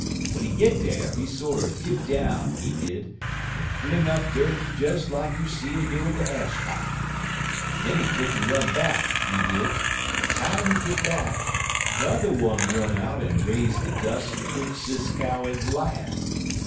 W'en he get dar, he sorter dip down, he did, en fling up dirt des lak you see um do in de ash pile. Den he tuck'n run back, he did, en time he git back, 'n'er one run out en raise de dus' 'twix' Sis Cow en de Lion.